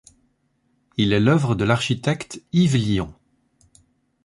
Il est l'œuvre de l'architecte Yves Lion.